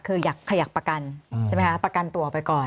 คือขยักประกันใช่ไหมคะประกันตัวไปก่อน